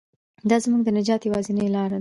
دا زموږ د نجات یوازینۍ لاره ده.